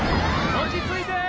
落ち着いてー！